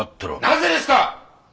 なぜですか！？